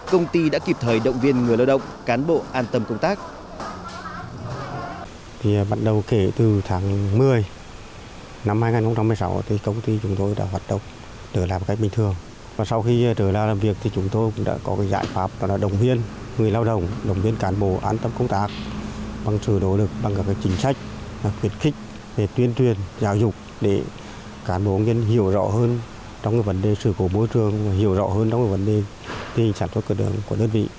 công ty đã kịp thời động viên người lao động cán bộ an tâm công tác